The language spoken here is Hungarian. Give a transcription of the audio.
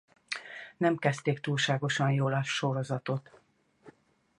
Nem kezdték túlságosan jól a sorozatot.